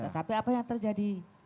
tetapi apa yang terjadi